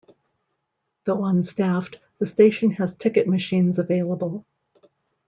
Though unstaffed, the station has ticket machines available.